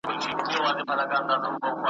تا چي هر څه زیږولي غلامان سي ,